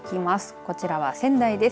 こちらは仙台です。